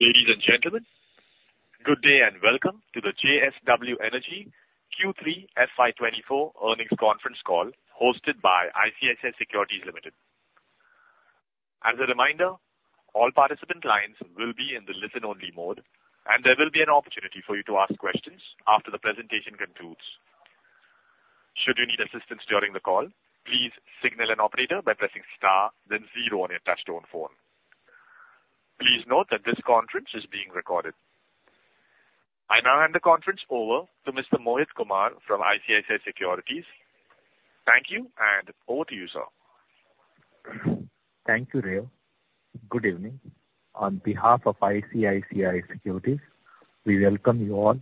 Ladies and gentlemen, good day, and welcome to the JSW Energy Q3 FY 2024 earnings conference call, hosted by ICICI Securities Limited. As a reminder, all participant lines will be in the listen-only mode, and there will be an opportunity for you to ask questions after the presentation concludes. Should you need assistance during the call, please signal an operator by pressing star then zero on your touchtone phone. Please note that this conference is being recorded. I now hand the conference over to Mr. Mohit Kumar from ICICI Securities. Thank you, and over to you, sir. Thank you, Ray. Good evening. On behalf of ICICI Securities, we welcome you all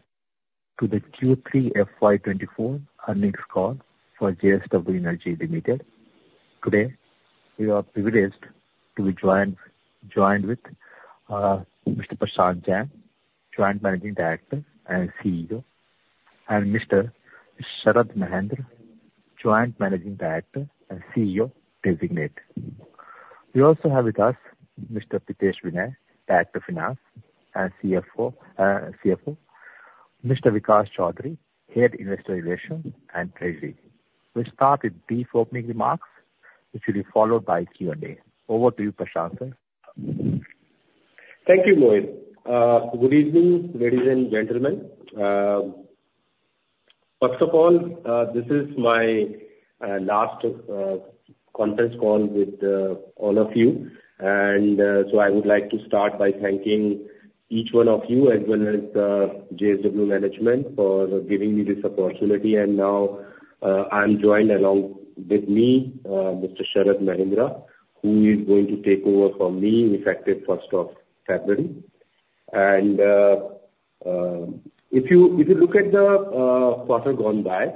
to the Q3 FY 2024 earnings call for JSW Energy Limited. Today, we are privileged to be joined with Mr. Prashant Jain, Joint Managing Director and CEO, and Mr. Sharad Mahendra, Joint Managing Director and CEO Designate. We also have with us Mr. Pritesh Vinay, Director Finance and CFO, Mr. Vikas Choudhary, Head, Investor Relations and Treasury. We'll start with brief opening remarks, which will be followed by Q&A. Over to you, Prashant, sir. Thank you, Mohit. Good evening, ladies and gentlemen. First of all, this is my last conference call with all of you, and so I would like to start by thanking each one of you, as well as JSW management for giving me this opportunity. And now, I'm joined along with me, Mr. Sharad Mahendra, who is going to take over from me effective 1st of February. And, if you look at the quarter gone by,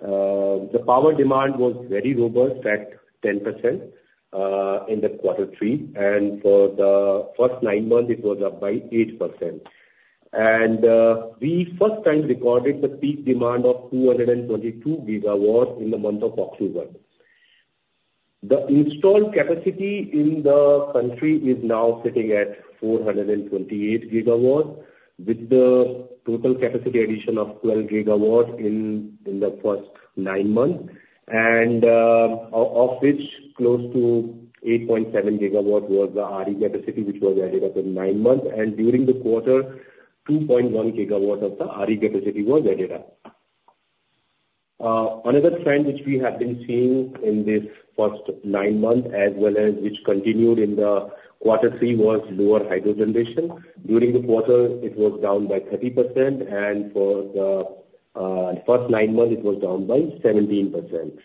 the power demand was very robust at 10% in quarter three, and for the first nine months it was up by 8%. And, we first time recorded the peak demand of 222 GW in the month of October. The installed capacity in the country is now sitting at 428 GW, with the total capacity addition of 12 GW in the first nine months. Of which, close to 8.7 GW was the RE capacity, which was added up in nine months, and during the quarter, 2.1 GW of the RE capacity was added up. Another trend which we have been seeing in this first nine months, as well as which continued in quarter three, was lower hydro generation. During the quarter, it was down by 30%, and for the first nine months, it was down by 17%.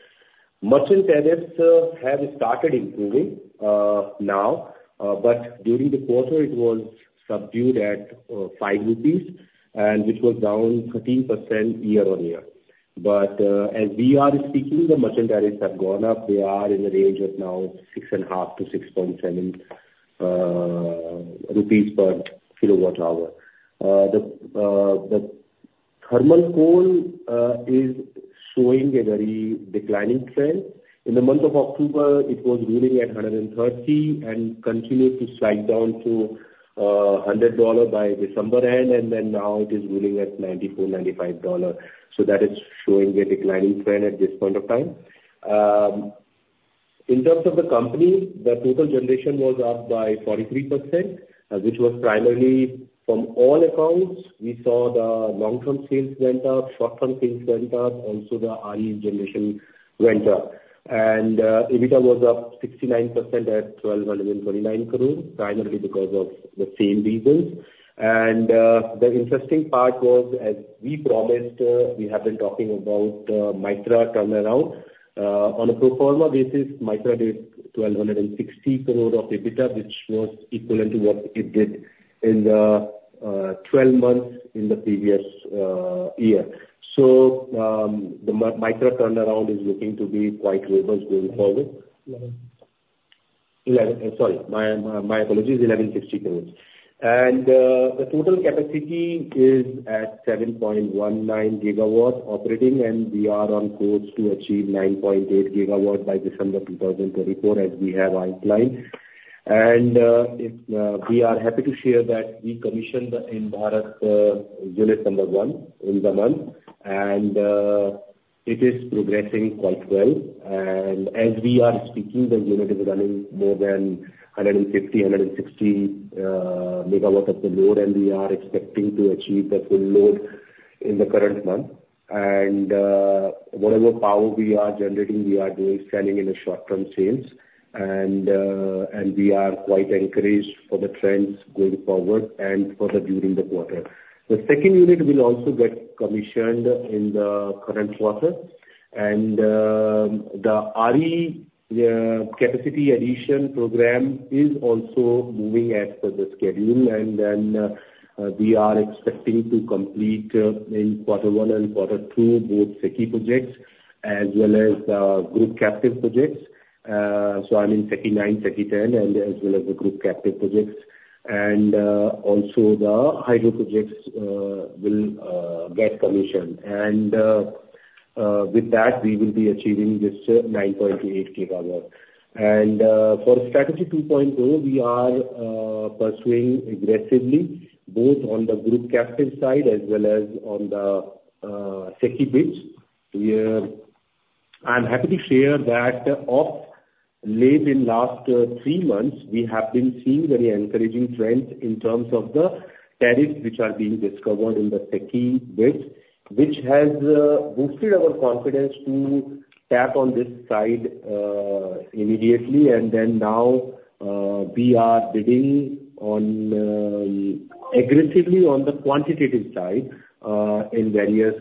Merchant tariffs have started improving now, but during the quarter, it was subdued at 5 rupees, and which was down 13% year-on-year. But, as we are speaking, the merchant tariffs have gone up. They are in the range of now 6.5-6.7 rupees per kWh. The thermal coal is showing a very declining trend. In the month of October, it was ruling at 130 and continued to slide down to $100 by December end, and then now it is ruling at $94-$95. So that is showing a declining trend at this point of time. In terms of the company, the total generation was up by 43%, which was primarily from all accounts. We saw the long-term sales went up, short-term sales went up, also the RE generation went up. And, EBITDA was up 69% at 1,229 crore, primarily because of the same reasons. The interesting part was, as we promised, we have been talking about the Mytrah turnaround. On a pro forma basis, Mytrah did 1,260 crore of EBITDA, which was equivalent to what it did in the 12 months in the previous year. The Mytrah turnaround is looking to be quite robust going forward. Eleven. Eleven. Sorry. My, my apologies, 1,160 crores. And, the total capacity is at 7.19 GW operating, and we are on course to achieve 9.8 GW by December 2024, as we have outlined. And, it, we are happy to share that we commissioned the Ind-Barath, unit number 1 in the month, and, it is progressing quite well. And as we are speaking, the unit is running more than 150, 160 MW of the load, and we are expecting to achieve the full load in the current month. And, whatever power we are generating, we are doing selling in the short-term sales, and, and we are quite encouraged for the trends going forward and further during the quarter. The second unit will also get commissioned in the current quarter, and, the RE, capacity addition program is also moving as per the schedule. And then, we are expecting to complete, in quarter one and quarter two, both SECI projects as well as, group captive projects. So I mean, SECI 9, SECI 10, and as well as the group captive projects. And, also the hydro projects, will, get commissioned. And, with that, we will be achieving this 9.8 GW. And, for Strategy 2.0, we are, pursuing aggressively, both on the group captive side as well as on the, SECI bids. I'm happy to share that of late in last three months, we have been seeing very encouraging trends in terms of the tariffs which are being discovered in the SECI bids, which has boosted our confidence to tap on this side immediately. And then now, we are bidding on aggressively on the quantitative side in various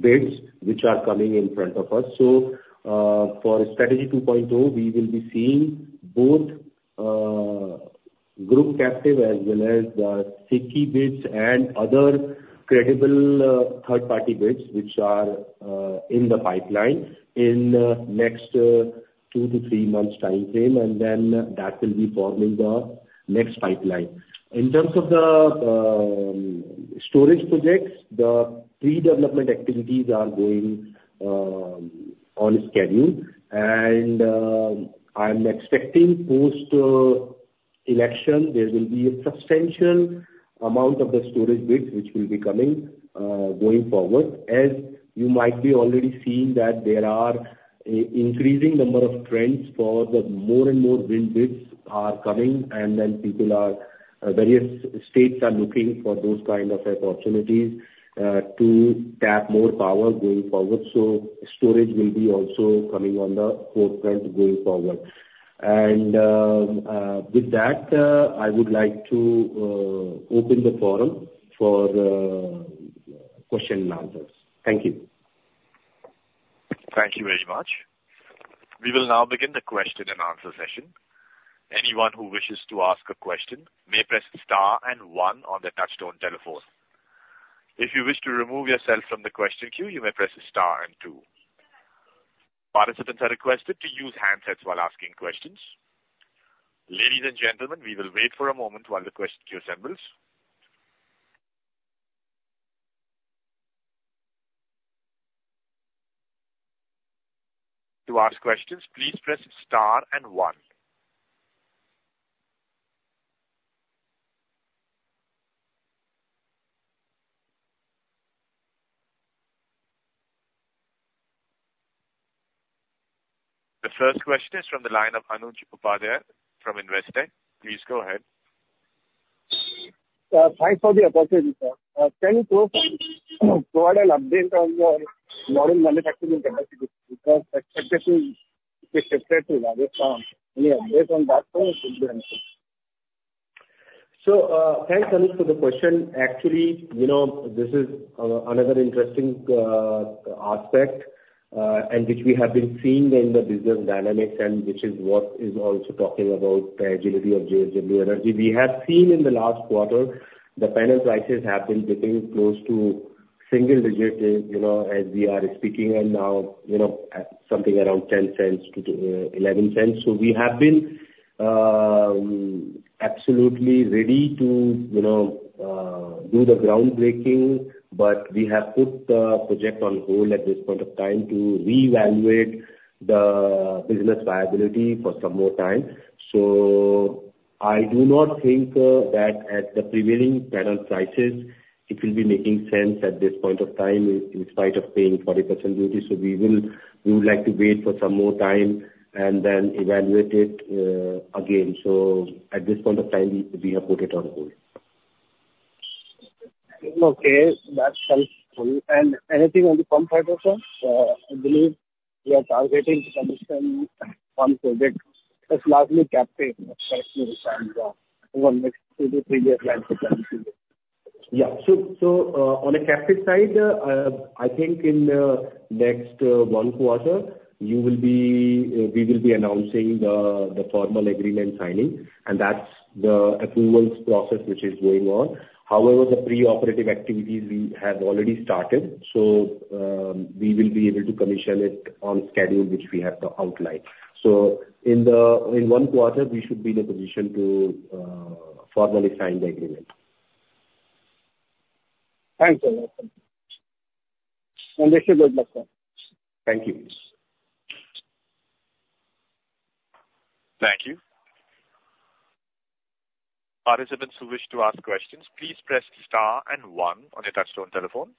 bids which are coming in front of us. So, for Strategy 2.0, we will be seeing both group captive as well as the SECI bids and other credible third party bids, which are in the pipeline in next two to three months' time frame, and then that will be forming the next pipeline. In terms of the storage projects, the pre-development activities are going on schedule. I'm expecting post election, there will be a substantial amount of the storage bids which will be coming, going forward. As you might be already seeing that there are increasing number of trends for the more and more wind bids are coming, and then people are, various states are looking for those kind of opportunities, to tap more power going forward. So storage will be also coming on the forefront going forward. With that, I would like to open the forum for the question and answers. Thank you. Thank you very much. We will now begin the question and answer session. Anyone who wishes to ask a question may press star and one on their touchtone telephone. If you wish to remove yourself from the question queue, you may press star and two. Participants are requested to use handsets while asking questions. Ladies and gentlemen, we will wait for a moment while the question queue assembles. To ask questions, please press star and one. The first question is from the line of Anuj Upadhyay from Investec. Please go ahead. Thanks for the opportunity, sir. Can you provide an update on your module manufacturing capacity? Because expected to be shifted to Rajasthan. Any update on that front would be helpful. So, thanks, Anuj, for the question. Actually, you know, this is another interesting aspect, and which we have been seeing in the business dynamics and which is what is also talking about the agility of JSW Energy. We have seen in the last quarter, the panel prices have been getting close to single digits, you know, as we are speaking, and now, you know, at something around 10 cents to 11 cents. So we have been absolutely ready to, you know, do the groundbreaking, but we have put the project on hold at this point of time to reevaluate the business viability for some more time. So I do not think that at the prevailing panel prices, it will be making sense at this point of time in spite of paying 40% duty. So we will, we would like to wait for some more time and then evaluate it, again. So at this point of time, we have put it on hold. Okay, that's helpful. And anything on the front side also? I believe you are targeting to commission one project, that's largely captive, correct me if I'm wrong, one next two to three years plan for. Yeah. So, on the captive side, I think in next one quarter, we will be announcing the formal agreement signing, and that's the approvals process, which is going on. However, the pre-operative activities we have already started, so we will be able to commission it on schedule, which we have to outline. So in one quarter, we should be in a position to formally sign the agreement. Thanks a lot, sir. Wish you good luck, sir. Thank you. Thank you. Participants who wish to ask questions, please press star and one on your touchtone telephone.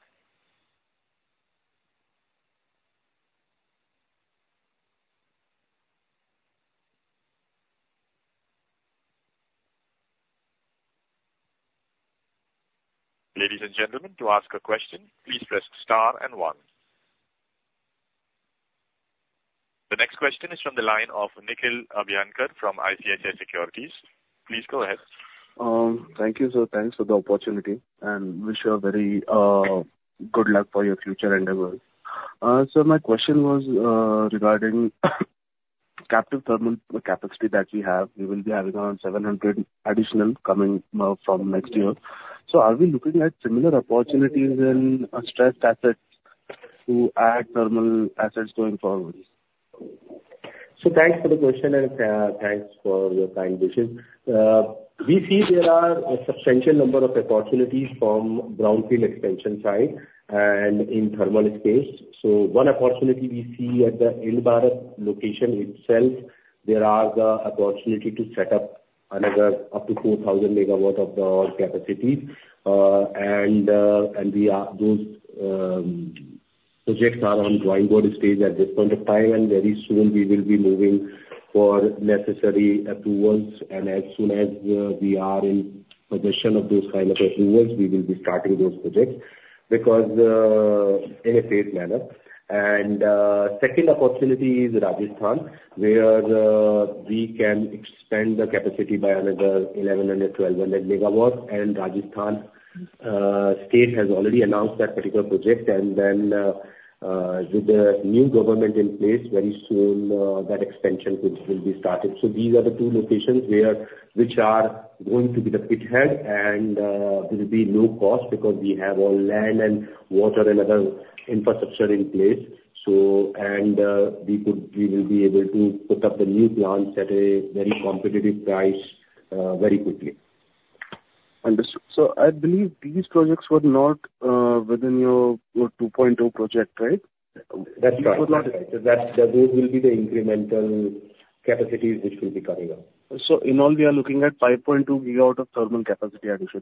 Ladies and gentlemen, to ask a question, please press star and one. The next question is from the line of Nikhil Abhyankar from ICICI Securities. Please go ahead. Thank you, sir. Thanks for the opportunity, and wish you a very good luck for your future endeavors. So my question was regarding captive thermal capacity that you have. You will be having around 700 additional coming from next year. So are we looking at similar opportunities in stressed assets to add thermal assets going forward?... So thanks for the question, and, thanks for your kind wishes. We see there are a substantial number of opportunities from brownfield expansion side and in thermal space. So one opportunity we see at the Ind-Barath location itself, there are the opportunity to set up another up to 4,000 megawatts of thermal capacity. And those projects are on drawing board stage at this point of time, and very soon we will be moving for necessary approvals. And as soon as we are in possession of those kind of approvals, we will be starting those projects, because in a phased manner. And second opportunity is Rajasthan, where we can expand the capacity by another 1,100-1,200 megawatts. Rajasthan state has already announced that particular project, and then, with the new government in place, very soon, that expansion could, will be started. So these are the two locations where- which are going to be the pit head and, there will be no cost because we have all land and water and other infrastructure in place. So, and, we could- we will be able to put up the new plants at a very competitive price, very quickly. Understood. So I believe these projects were not within your 2.2 project, right? That's right. They were not- That, those will be the incremental capacities which will be coming up. In all, we are looking at 5.2 giga out of thermal capacity addition?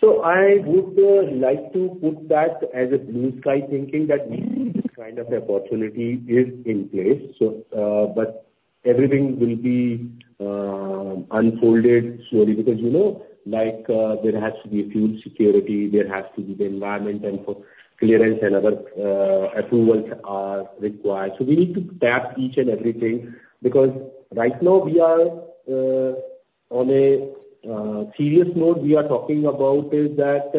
So I would like to put that as a blue sky thinking that this kind of opportunity is in place. So, but everything will be unfolded slowly, because, you know, like, there has to be a huge security, there has to be the environment and for clearance and other approvals are required. So we need to tap each and everything, because right now we are on a serious note, we are talking about is that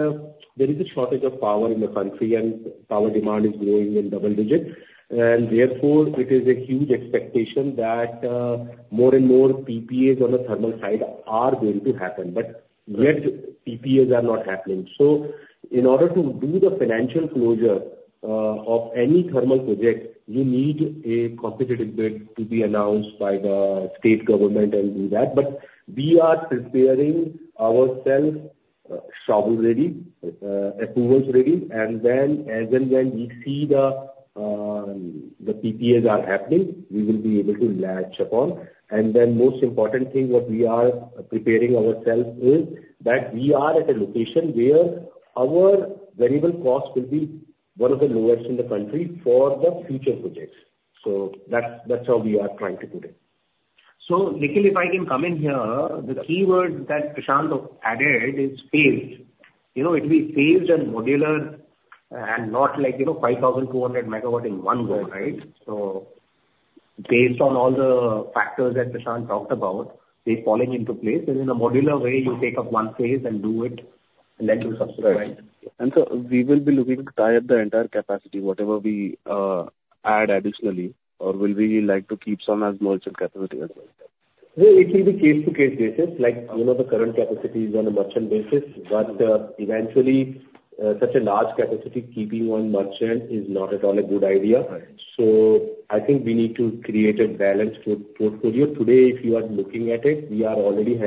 there is a shortage of power in the country, and power demand is growing in double digits. And therefore, it is a huge expectation that more and more PPAs on the thermal side are going to happen, but yet PPAs are not happening. So, in order to do the financial closure of any thermal project, you need a competitive bid to be announced by the state government and do that. But we are preparing ourselves, shovel ready, approvals ready, and then, as and when we see the PPAs are happening, we will be able to latch upon. And then, the most important thing, what we are preparing ourselves for is that we are at a location where our variable cost will be one of the lowest in the country for the future projects. So that's how we are trying to do it. So Nikhil, if I can come in here, the keyword that Prashant have added is phase. You know, it'll be phased and modular and not like, you know, 5,200 MW in one go, right? So based on all the factors that Prashant talked about, they're falling into place, and in a modular way, you take up one phase and do it, and then you subscribe. And so we will be looking to tie up the entire capacity, whatever we add additionally, or will we like to keep some as merchant capacity as well? Well, it will be case-to-case basis. Like, you know, the current capacity is on a merchant basis, but eventually, such a large capacity, keeping one merchant is not at all a good idea. Right. So I think we need to create a balanced portfolio. Today, if you are looking at it, we were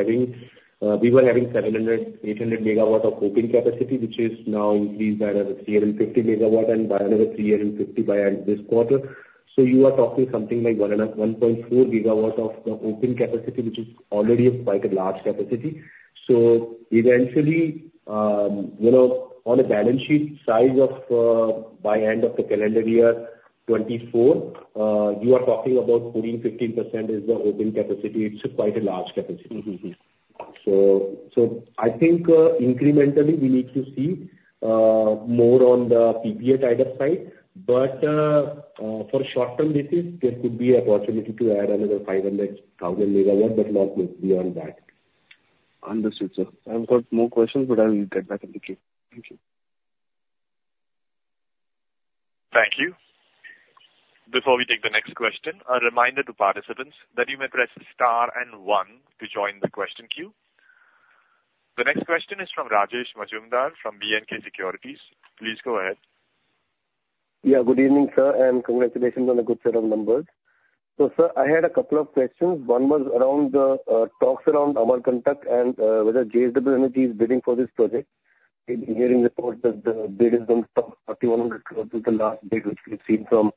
having 700-800 megawatts of open capacity, which is now increased by another 350 megawatts, and by another 350 by end this quarter. So you are talking something like 1.4 gigawatts of the open capacity, which is already quite a large capacity. So eventually, you know, on a balance sheet size of by end of the calendar year 2024, you are talking about 14%-15% is the open capacity. It's quite a large capacity. Mm-hmm. So, I think incrementally, we need to see more on the PPA tied up side. But for short term basis, there could be an opportunity to add another 500,000 MW, but not beyond that. Understood, sir. I've got more questions, but I will get back in the queue. Thank you. Thank you. Before we take the next question, a reminder to participants that you may press star and one to join the question queue. The next question is from Rajesh Majumdar, from B&K Securities. Please go ahead. Yeah, good evening, sir, and congratulations on the good set of numbers. So, sir, I had a couple of questions. One was around the talks around Amarkantak and whether JSW Energy is bidding for this project. In hearing reports that the bid is going from 41 in the last bid, which we've seen from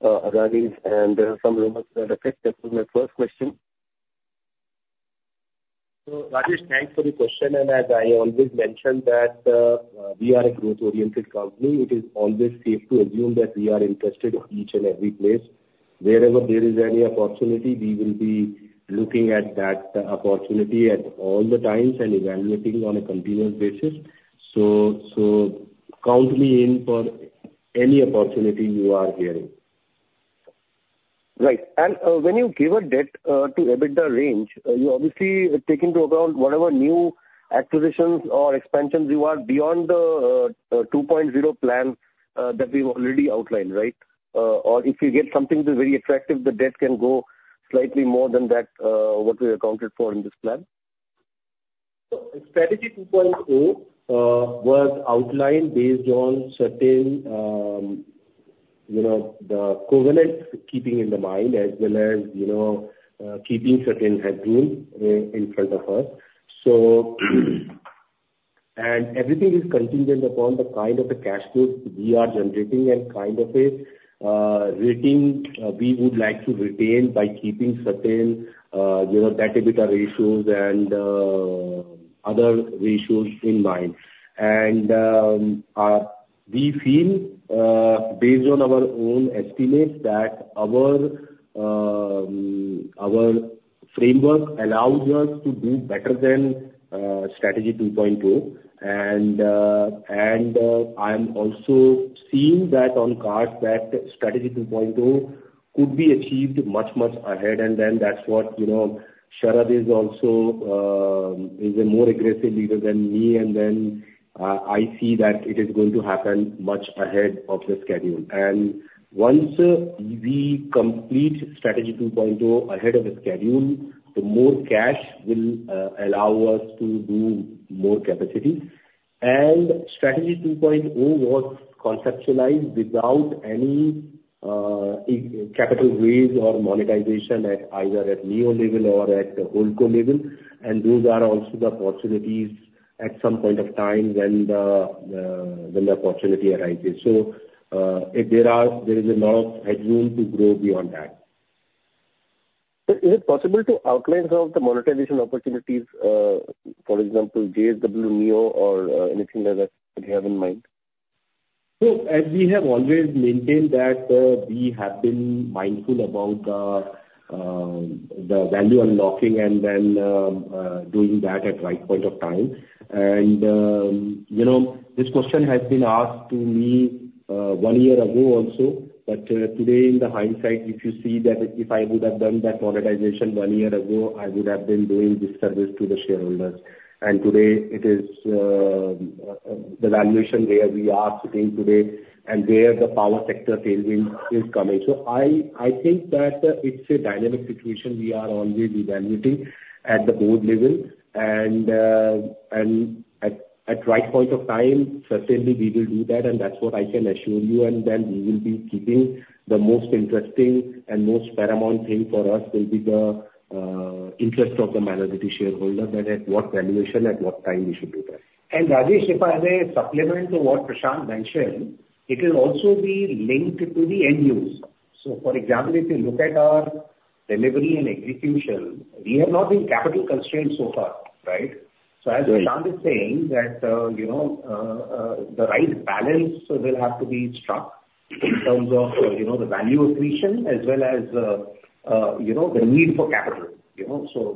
Adani, and there are some rumors to that effect. That was my first question. So, Rajesh, thanks for the question, and as I always mention that, we are a growth-oriented company, it is always safe to assume that we are interested in each and every place. Wherever there is any opportunity, we will be looking at that opportunity at all the times and evaluating on a continuous basis. So, so count me in for any opportunity you are hearing. Right. And, when you give a debt to EBITDA range, you obviously take into account whatever new acquisitions or expansions you want beyond the 2.0 plan that we've already outlined, right? Or if you get something that's very attractive, the debt can go slightly more than that, what we accounted for in this plan?... So Strategy 2.0 was outlined based on certain, you know, the covenants keeping in mind as well as, you know, keeping certain headroom in front of us. So, and everything is contingent upon the kind of the cash flows we are generating and kind of a rating we would like to retain by keeping certain, you know, debt-EBITDA ratios and other ratios in mind. And we feel, based on our own estimates that our framework allows us to do better than Strategy 2.0. And, I am also seeing that on cards that Strategy 2.0 could be achieved much, much ahead, and then that's what, you know, Sharad is also is a more aggressive leader than me, and then, I see that it is going to happen much ahead of the schedule. And once, we complete Strategy 2.0 ahead of the schedule, the more cash will, allow us to do more capacity. And Strategy 2.0 was conceptualized without any, capital raise or monetization at either Neo level or at the holdco level, and those are also the opportunities at some point of time when the, when the opportunity arises. So, if there are, there is a lot of headroom to grow beyond that. So is it possible to outline some of the monetization opportunities? For example, JSW Neo, or anything like that that you have in mind? So as we have always maintained that, we have been mindful about the value unlocking and then doing that at right point of time. You know, this question has been asked to me one year ago also. But today in the hindsight, if you see that, if I would have done that monetization one year ago, I would have been doing disservice to the shareholders. And today it is the valuation where we are sitting today, and where the power sector tailwind is coming. So I think that it's a dynamic situation we are always evaluating at the board level. And at right point of time, certainly we will do that, and that's what I can assure you. Then we will be keeping the most interesting and most paramount thing for us will be the interest of the minority shareholder, that at what valuation, at what time we should do that. Rajesh, if I may supplement to what Prashant mentioned, it will also be linked to the end use. For example, if you look at our delivery and execution, we have not been capital constrained so far, right? Right. So as Prashant is saying, that, you know, the right balance will have to be struck in terms of, you know, the value accretion, as well as, you know, the need for capital. You know, so,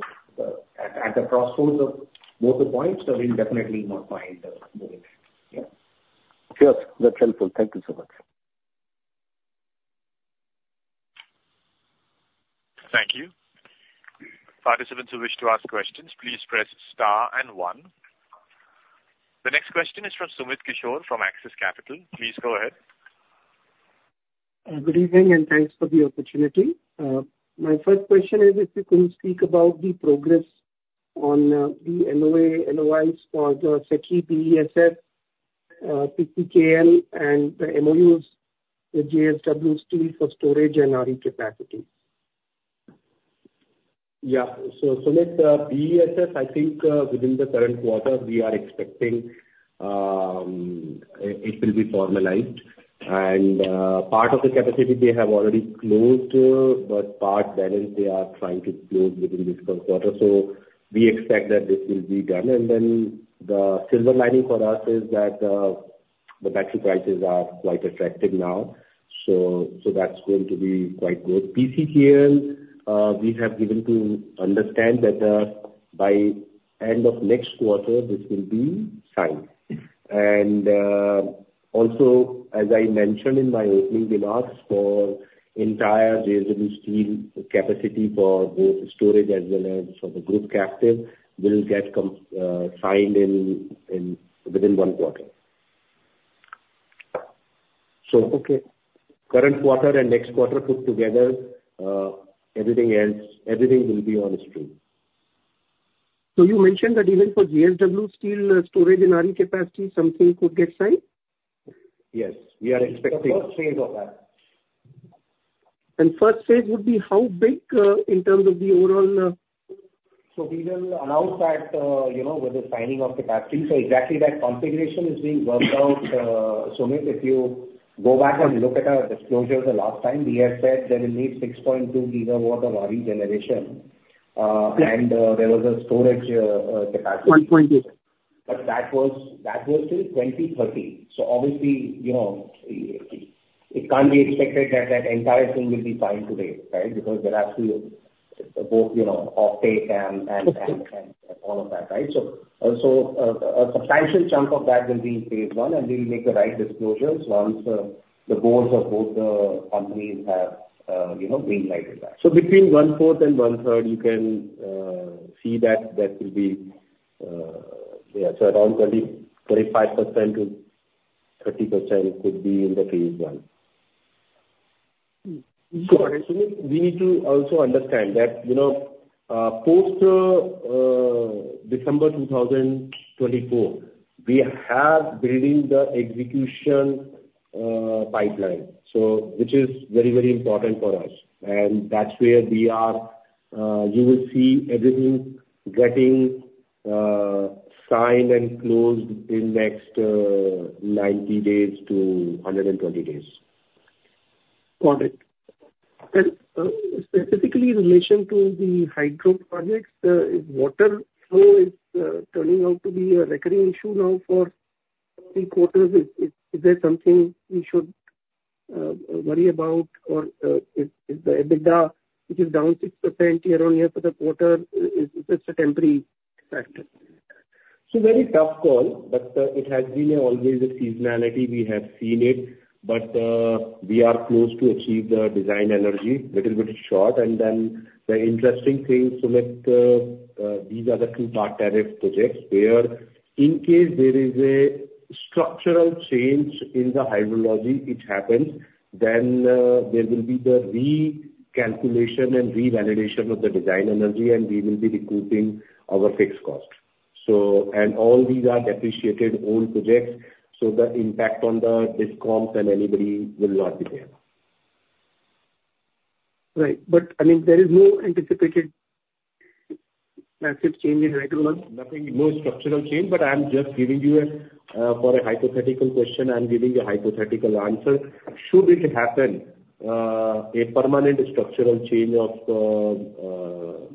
at the crossroads of both the points, so we'll definitely not mind, moving. Yeah. Sure. That's helpful. Thank you so much. Thank you. Participants who wish to ask questions, please press star and one. The next question is from Sumit Kishore from Axis Capital. Please go ahead. Good evening, and thanks for the opportunity. My first question is if you could speak about the progress on the MOA, MOIs for the SECI BESS, PCKL, and the MOUs with JSW Steel for storage and RE capacity? Yeah. So, Sumit, BESS, I think within the current quarter, we are expecting, it will be formalized. And part of the capacity they have already closed, but part balance they are trying to close within this first quarter. So we expect that this will be done. And then the silver lining for us is that the battery prices are quite attractive now. So, so that's going to be quite good. PCKL, we have given to understand that by end of next quarter, this will be signed. And also, as I mentioned in my opening remarks, for entire JSW Steel capacity for both storage as well as for the Group Captive, will get com-signed in within one quarter. So, okay. Current quarter and next quarter put together, everything else, everything will be on stream. So you mentioned that even for JSW Steel, storage and RE capacity, something could get signed? Yes. We are expecting- The first phase of that. First phase would be how big, in terms of the overall, So we will announce that, you know, with the signing of the battery. So exactly that configuration is being worked out. Sumit, if you go back and look at our disclosures the last time, we have said that we need 6.2 GW of RE generation. Yes. and there was a storage capacity. One point, yes. But that was, that was till 2030. So obviously, you know, it, it can't be expected that that entire thing will be signed today, right? Because there are still both, you know, offtake and, and, and- Okay. all of that, right? So, a substantial chunk of that will be in phase one, and we will make the right disclosures once the boards of both the companies have, you know, green lighted that. Between one-fourth and one-third, you can see that that will be... Yeah, so around 20-25% to 30% could be in the phase one. So, and Sunil, we need to also understand that, you know, post December 2024, we have building the execution pipeline, so which is very, very important for us. And that's where we are- you will see everything getting signed and closed in next 90-120 days. Got it. And, specifically in relation to the hydro projects, is water flow turning out to be a recurring issue now for three quarters? Is there something we should worry about? Or, is the EBITDA, which is down 6% year-on-year for the quarter, just a temporary factor? So very tough call, but, it has been always a seasonality. We have seen it, but, we are close to achieve the design energy, little bit short. And then the interesting thing, Sunil, these are the two part tariff projects, where in case there is a structural change in the hydrology, it happens, then, there will be the recalculation and revalidation of the design energy, and we will be recouping our fixed cost. So, and all these are depreciated old projects, so the impact on the DISCOMs and anybody will not be there. Right. But I mean, there is no anticipated massive change in hydro levels? Nothing, no structural change, but I'm just giving you a for a hypothetical question, I'm giving a hypothetical answer. Should it happen, a permanent structural change of,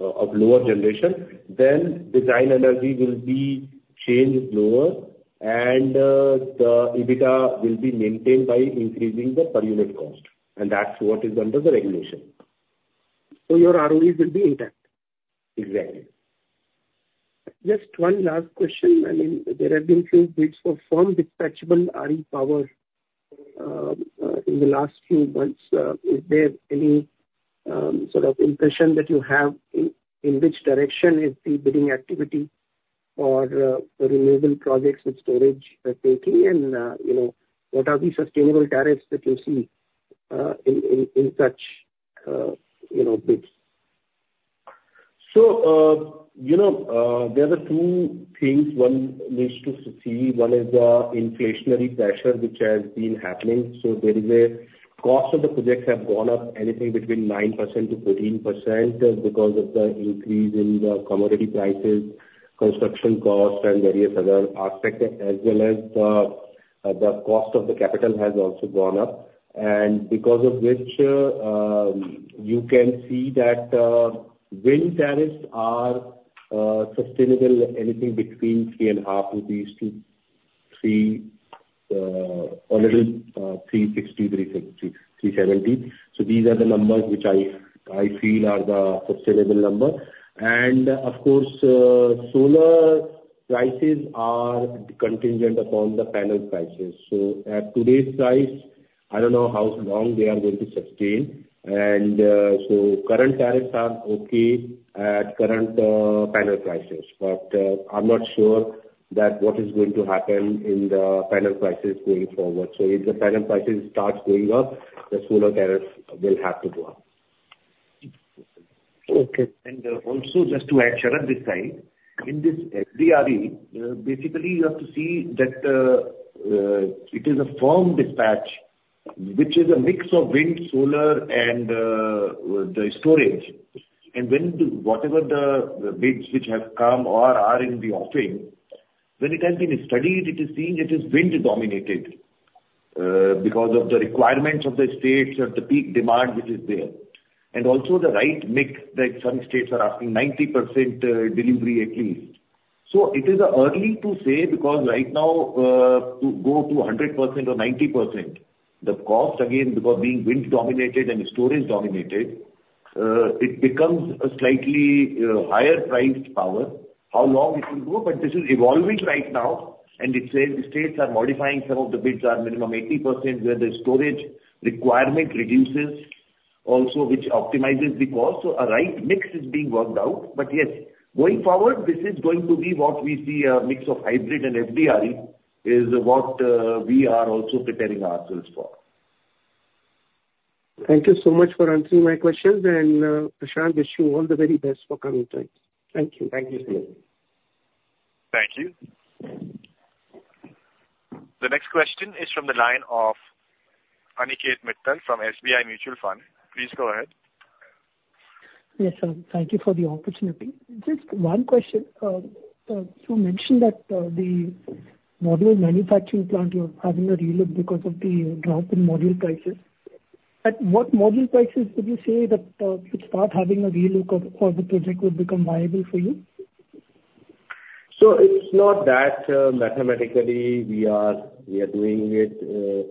of lower generation, then Design Energy will be changed lower, and, the EBITDA will be maintained by increasing the per unit cost, and that's what is under the regulation. So your ROEs will be intact? Exactly. Just one last question. I mean, there have been few bids for firm dispatchable RE power, in the last few months. Is there any, sort of impression that you have in which direction is the bidding activity for, the renewable projects with storage are taking? And, you know, what are the sustainable tariffs that you see, in such, you know, bids? So, you know, there are two things one needs to see. One is the inflationary pressure, which has been happening. So there is a cost of the projects have gone up anything between 9%-13%, because of the increase in the commodity prices, construction costs, and various other aspects, as well as the cost of the capital has also gone up. And because of which, you can see that wind tariffs are sustainable anything between 3.5 rupees to 3.60-3.70 rupees. So these are the numbers which I, I feel are the sustainable number. And of course, solar prices are contingent upon the panel prices. So at today's price, I don't know how long they are going to sustain. Current tariffs are okay at current panel prices, but I'm not sure what is going to happen in the panel prices going forward. So if the panel prices starts going up, the solar tariffs will have to go up. Okay. And, also just to add, Sharad's side, in this FDRE, basically you have to see that, it is a firm dispatch, which is a mix of wind, solar, and, the storage. And when the, whatever the, the bids which have come or are in the offering, when it has been studied, it is seen it is wind dominated, because of the requirements of the states and the peak demand which is there. And also the right mix, like some states are asking 90%, delivery at least. So it is, early to say, because right now, to go to 100% or 90%, the cost again, because being wind dominated and storage dominated, it becomes a slightly, higher priced power. How long it will go? But this is evolving right now, and it says the states are modifying some of the bids are minimum 80%, where the storage requirement reduces also, which optimizes the cost. So a right mix is being worked out. But yes, going forward, this is going to be what we see, a mix of hybrid and FDRE, is what we are also preparing ourselves for. Thank you so much for answering my questions. Prashant, wish you all the very best for coming times. Thank you. Thank you, Sunil. Thank you. The next question is from the line of Aniket Mittal from SBI Mutual Fund. Please go ahead. Yes, sir, thank you for the opportunity. Just one question. You mentioned that the module manufacturing plant, you're having a relook because of the drop in module prices. At what module prices would you say that you'd start having a relook or the project would become viable for you? So it's not that mathematically we are doing it,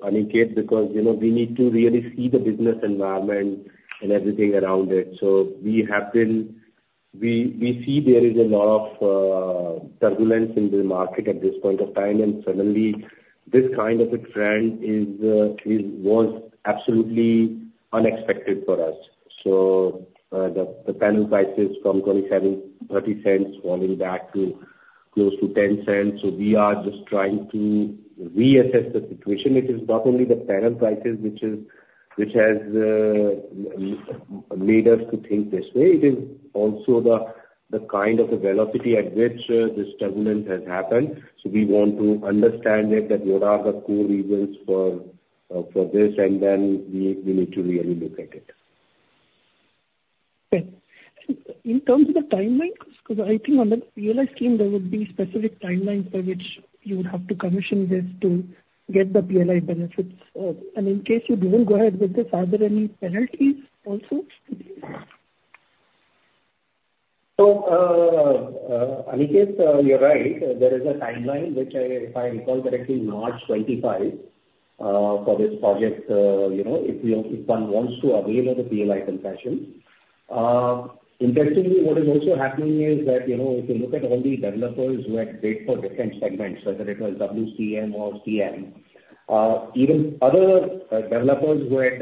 Aniket, because, you know, we need to really see the business environment and everything around it. So we have been. We see there is a lot of turbulence in the market at this point of time, and suddenly this kind of a trend is, was absolutely unexpected for us. So the panel prices from $0.27-$0.30 falling back to close to $0.10. So we are just trying to reassess the situation. It is not only the panel prices which is, which has made us to think this way, it is also the kind of the velocity at which this turbulence has happened. We want to understand it, that what are the core reasons for this, and then we need to really look at it. Okay. In terms of the timelines, 'cause I think on the PLI scheme, there would be specific timelines by which you would have to commission this to get the PLI benefits. And in case you didn't go ahead with this, are there any penalties also? So, Aniket, you're right. There is a timeline which I, if I recall correctly, March 25, for this project. You know, if you, if one wants to avail of the PLI concession. Interestingly, what is also happening is that, you know, if you look at all the developers who had bid for different segments, whether it was WCM or CM, even other developers who had,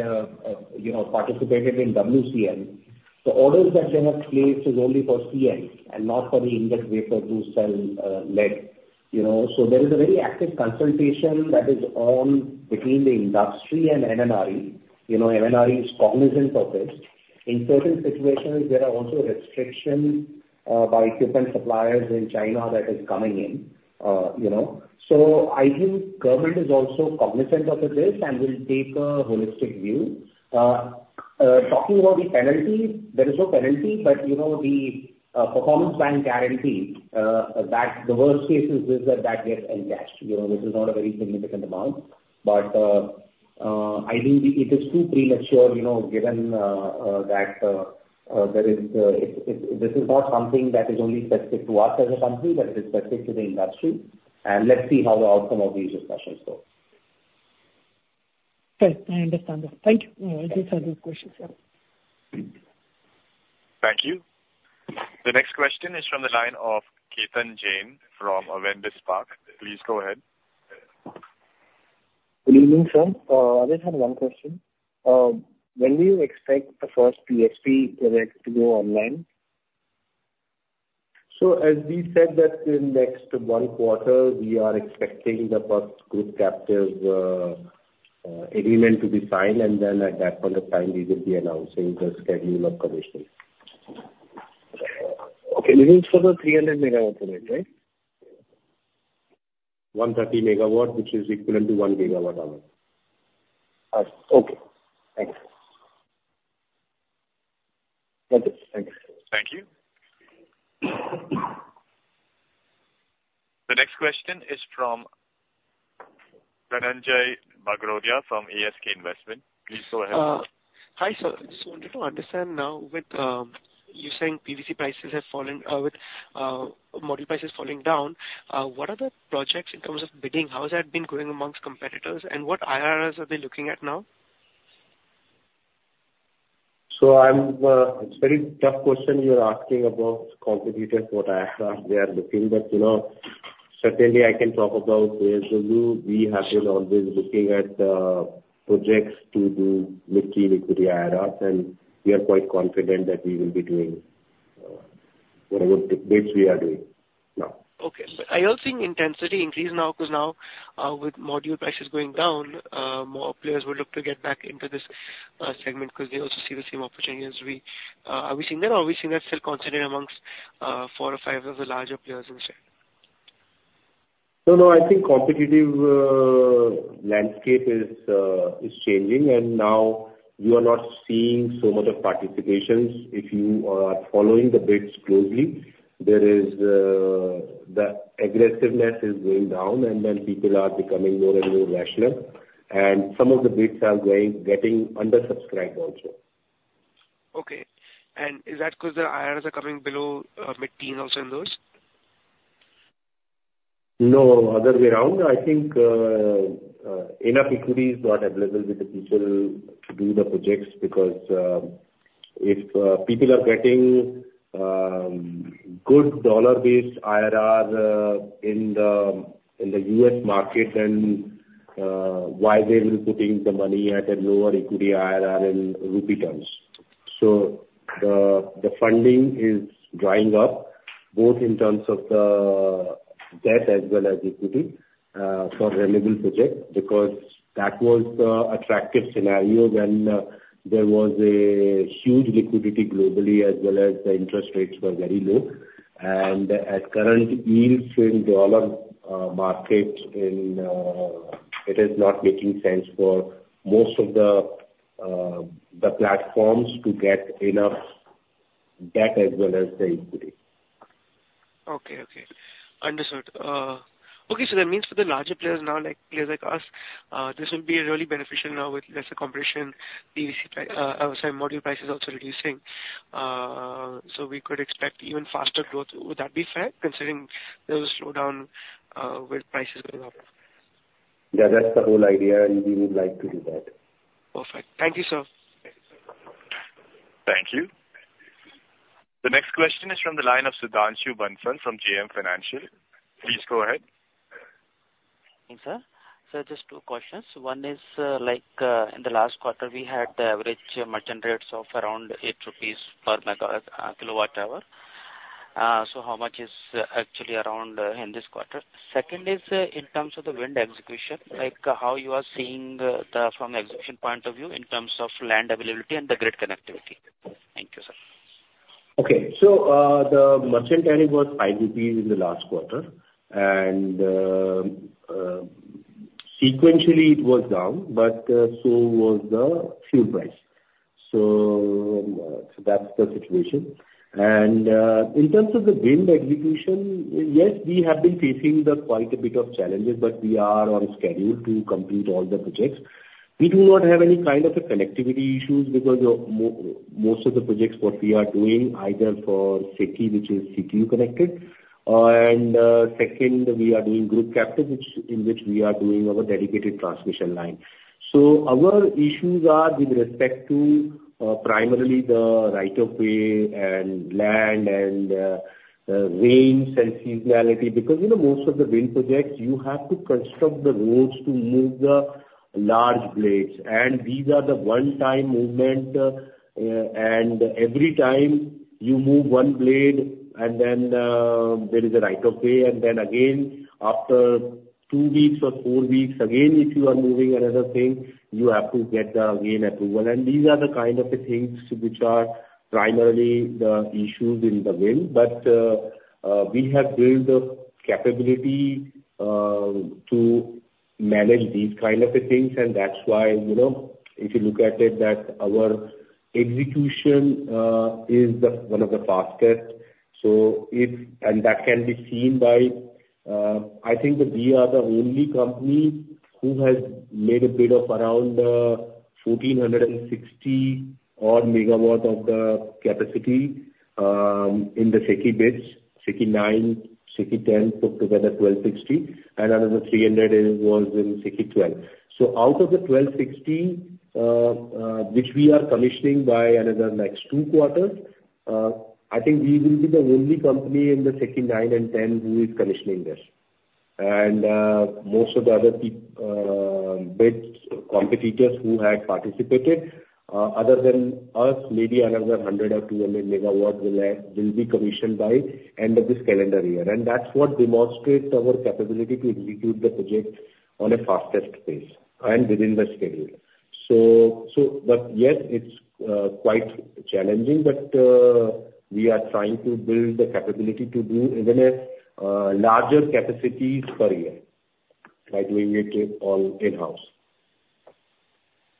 you know, participated in WCM. The orders that they have placed is only for CM and not for the ingot, wafer, cell, you know? So there is a very active consultation that is on between the industry and MNRE. You know, MNRE is cognizant of this. In certain situations, there are also restrictions by equipment suppliers in China that is coming in, you know. So I think government is also cognizant of this and will take a holistic view. Talking about the penalty, there is no penalty, but, you know, the performance bank guarantee, that, the worst case is that that gets encashed. You know, this is not a very significant amount, but I think it is too premature, you know, given that there is. It this is not something that is only specific to us as a company, but it is specific to the industry, and let's see how the outcome of these discussions go. Okay, I understand that. Thank you. These are the questions here. Thank you. The next question is from the line of Ketan Jain from Avendus Spark. Please go ahead. Good evening, sir. I just had one question. When do you expect the first PSP project to go online? So as we said, that in next 1 quarter, we are expecting the first Group Captive agreement to be signed, and then at that point of time, we will be announcing the schedule of commission. Okay, this is for the 300 MW project, right? 130 MW, which is equivalent to 1 GWh. Okay. Thank you. Thank you. Thank you. Thank you. The next question is from Dhananjay Bagrodia, from ASK Investment. Please go ahead. Hi, sir, I just wanted to understand now with you saying PVC prices have fallen, with module prices falling down, what are the projects in terms of bidding? How has that been going amongst competitors, and what IRRs are they looking at now? It's very tough question you're asking about competitors, what IRRs they are looking. But, you know, certainly I can talk about JSW. We have been always looking at projects to do with equity IRRs, and we are quite confident that we will be doing whatever the bids we are doing now. Okay. But are you all seeing intensity increase now? 'Cause now, with module prices going down, more players will look to get back into this, segment, 'cause they also see the same opportunity as we. Are we seeing that, or are we seeing that still considered amongst, four or five of the larger players in this segment? No, no, I think competitive landscape is changing, and now you are not seeing so much of participations. If you are following the bids closely, there is the aggressiveness is going down, and then people are becoming more and more rational, and some of the bids are going, getting undersubscribed also. Okay. Is that because the IRRs are coming below mid-teen also in those? No, other way around. I think enough equity is not available with the people to do the projects because if people are getting good dollar-based IRR in the U.S. market, then why they will putting the money at a lower equity IRR in rupee terms? So the funding is drying up, both in terms of debt as well as equity for renewable projects, because that was the attractive scenario when there was a huge liquidity globally, as well as the interest rates were very low. And at current yields in dollar market, it is not making sense for most of the platforms to get enough debt as well as the equity. Okay, okay. Understood. Okay, so that means for the larger players now, like players like us, this will be really beneficial now with lesser competition, the, sorry, module prices also reducing. So we could expect even faster growth. Would that be fair, considering there was a slowdown with prices going up? Yeah, that's the whole idea, and we would like to do that. Perfect. Thank you, sir. Thank you. The next question is from the line of Sudhanshu Bansal from JM Financial.... Sir, so just two questions. One is, like, in the last quarter, we had the average merchant rates of around 8 rupees per MWh. So how much is actually around in this quarter? Second is, in terms of the wind execution, like how you are seeing the, from execution point of view in terms of land availability and the grid connectivity? Thank you, sir. Okay. So, the merchant tariff was 5 rupees in the last quarter, and, sequentially it was down, but, so was the fuel price. So, that's the situation. And, in terms of the wind execution, yes, we have been facing quite a bit of challenges, but we are on schedule to complete all the projects. We do not have any kind of connectivity issues because most of the projects what we are doing either for SECI, which is CTU connected. And, second, we are doing group captive, which, in which we are doing our dedicated transmission line. So our issues are with respect to, primarily the right of way and land and, rains and seasonality, because, you know, most of the wind projects, you have to construct the roads to move the large blades. These are the one-time movement, and every time you move one blade and then, there is a right of way, and then again, after two weeks or four weeks, again, if you are moving another thing, you have to get the again, approval. And these are the kind of things which are primarily the issues in the wind. But, we have built the capability, to manage these kind of things, and that's why, you know, if you look at it, that our execution, is the, one of the fastest. And that can be seen by, I think that we are the only company who has made a bid of around, 1,460-odd MW of the capacity, in the SECI bids. SECI 9, SECI 10, put together 1,260, and another 300 is, was in SECI 12. So out of the 1,260, which we are commissioning by another next two quarters, I think we will be the only company in the SECI 9 and 10 who is commissioning this. And, most of the other bids, competitors who had participated, other than us, maybe another 100 or 200 MW will, will be commissioned by end of this calendar year. And that's what demonstrates our capability to execute the project on a fastest pace and within the schedule. So, so but yes, it's, quite challenging, but, we are trying to build the capability to do even a, larger capacity per year by doing it all in-house.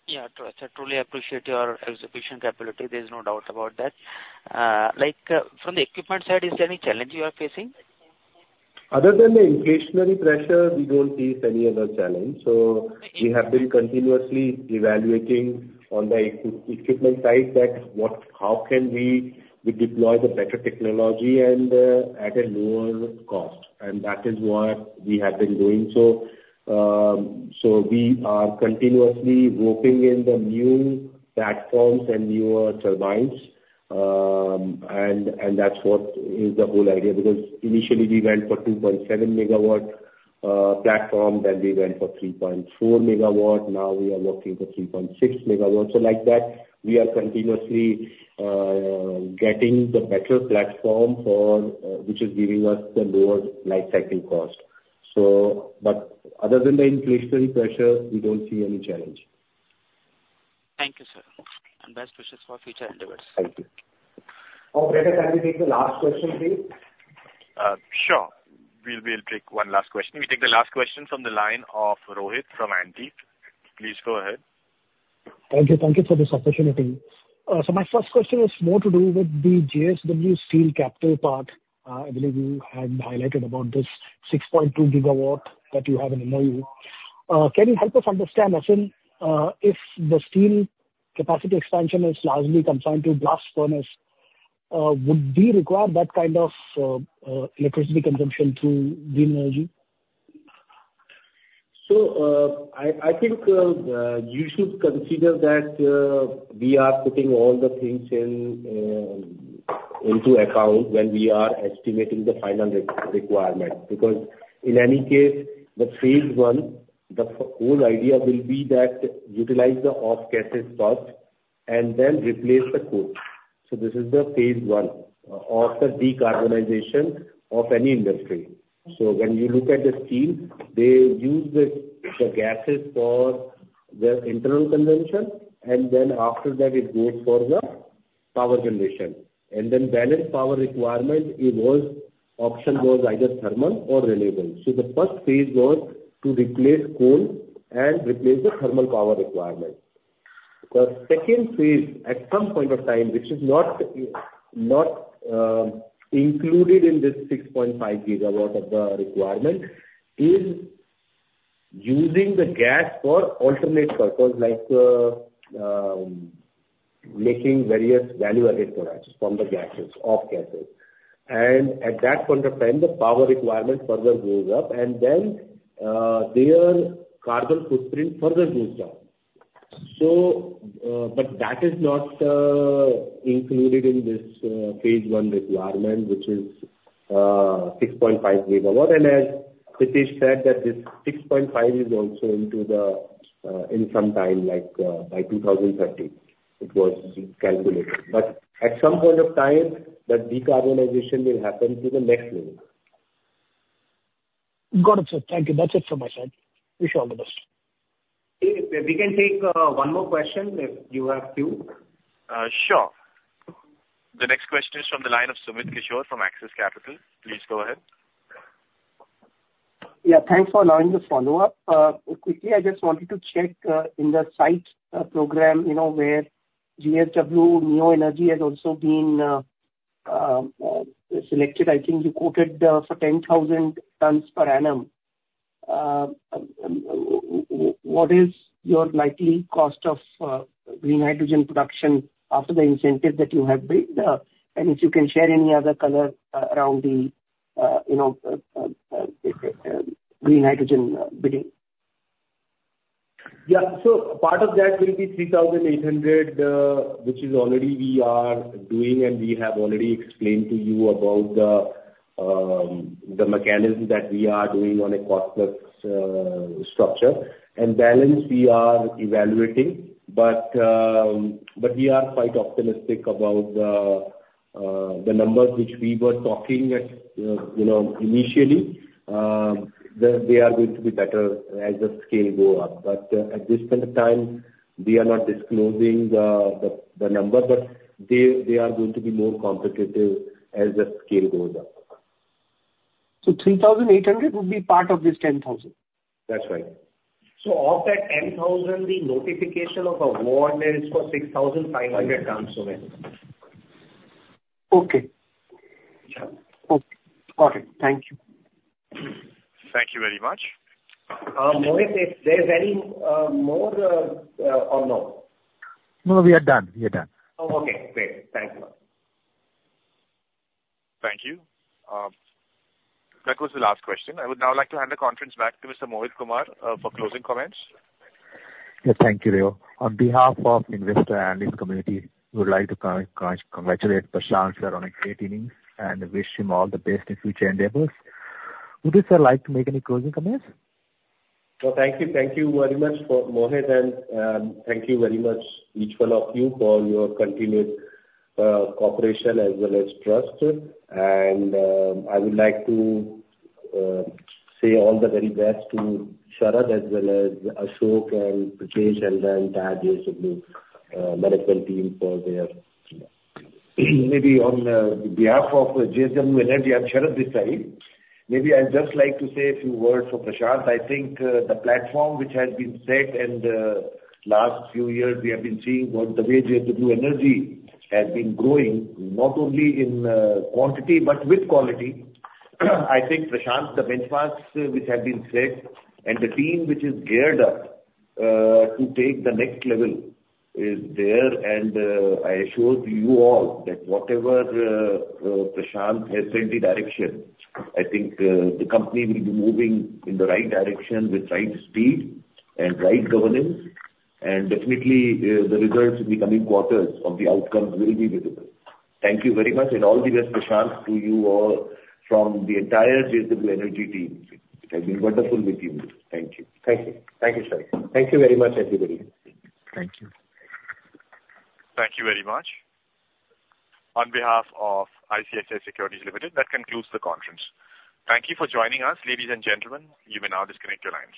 Yeah, true. I truly appreciate your execution capability, there's no doubt about that. Like, from the equipment side, is there any challenge you are facing? Other than the inflationary pressure, we don't face any other challenge. So we have been continuously evaluating on the equipment side that what, how can we, we deploy the better technology and at a lower cost, and that is what we have been doing. So we are continuously roping in the new platforms and newer turbines. And that's what is the whole idea. Because initially we went for 2.7 MW platform, then we went for 3.4 MW, now we are looking for 3.6 MW. So like that, we are continuously getting the better platform for which is giving us the lower life cycle cost. But other than the inflationary pressure, we don't see any challenge. Thank you, sir, and best wishes for future endeavors. Thank you. Operator, can we take the last question, please? Sure. We, we'll take one last question. We take the last question from the line of Rohit from Antique. Please go ahead. Thank you. Thank you for this opportunity. So my first question is more to do with the JSW Steel capital part. I believe you had highlighted about this 6.2 gigawatt that you have in the menu. Can you help us understand, Prashant, if the steel capacity expansion is largely concerned to blast furnace, would we require that kind of electricity consumption through green energy? So, I think you should consider that we are putting all the things into account when we are estimating the final requirement. Because in any case, the phase one, the whole idea will be that utilize the off gases first and then replace the coal. So this is the phase one of the decarbonization of any industry. So when you look at the steel, they use the gases for their internal consumption, and then after that, it goes for the power generation. And then balance power requirement, the option was either thermal or renewable. So the first phase was to replace coal and replace the thermal power requirement. The second phase, at some point of time, which is not included in this 6.5 GW of the requirement, is using the gas for alternate purpose, like, making various value added products from the gases, off gases. And at that point of time, the power requirement further goes up, and then, their carbon footprint further goes down. So, but that is not included in this, phase one requirement, which is, 6.5 GW. And as Pritesh said, that this 6.5 is also into the, in some time, like, by 2030, it was calculated. But at some point of time, that decarbonization will happen to the next level. Got it, sir. Thank you. That's it from my side. Wish you all the best. We can take one more question if you have two. Sure. The next question is from the line of Sumit Kishore from Axis Capital. Please go ahead. Yeah, thanks for allowing the follow-up. Quickly, I just wanted to check, in the SIGHT program, you know, where JSW Neo Energy has also been selected. I think you quoted for 10,000 tons per annum. What is your likely cost of green hydrogen production after the incentive that you have built? And if you can share any other color around the, you know, green hydrogen bidding. Yeah. So part of that will be 3,800, which is already we are doing, and we have already explained to you about the, the mechanism that we are doing on a cost plus, structure. And balance we are evaluating, but, but we are quite optimistic about the, the numbers which we were talking at, you know, initially. They are going to be better as the scale go up. But, at this point of time, we are not disclosing, the, the number, but they, they are going to be more competitive as the scale goes up. 3,800 would be part of this 10,000? That's right. So of that 10,000, the notification of award is for 6,500 tons, Sumit. Okay. Yeah. Okay. Got it. Thank you. Thank you very much. Mohit, if there's any more, or no? No, we are done. We are done. Oh, okay. Great. Thank you. Thank you. That was the last question. I would now like to hand the conference back to Mr. Mohit Kumar for closing comments. Yes. Thank you, Ray. On behalf of investor and analyst community, we would like to congratulate Prashant, sir, on a great innings, and wish him all the best in future endeavors. Would you, sir, like to make any closing comments? Well, thank you. Thank you very much for Mohit, and, thank you very much each one of you for your continued cooperation as well as trust. And, I would like to say all the very best to Sharad as well as Ashok and Pritesh, and then the rest of the management team for their... Maybe on behalf of JSW Energy and Sharad Mahendra, maybe I'd just like to say a few words for Prashant. I think the platform which has been set and last few years we have been seeing what the way JSW Energy has been growing, not only in quantity, but with quality. I think, Prashant, the benchmarks which have been set and the team which is geared up to take the next level is there, and I assure to you all that whatever Prashant has set the direction, I think the company will be moving in the right direction with right speed and right governance. And definitely the results in the coming quarters of the outcomes will be visible. Thank you very much, and all the best, Prashant, to you all from the entire JSW Energy team. It has been wonderful with you. Thank you. Thank you. Thank you, sir. Thank you very much, everybody. Thank you. Thank you very much. On behalf of ICICI Securities Limited, that concludes the conference. Thank you for joining us, ladies and gentlemen. You may now disconnect your lines.